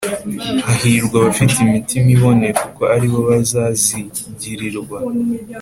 Hahirwa abafite imitima iboneye kuko aribo bazazigirirwa